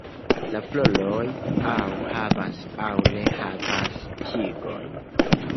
La floroj aŭ havas aŭ ne havas tigojn.